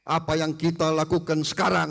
apa yang kita lakukan sekarang